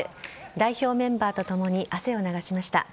代表メンバーとともに汗を流しました。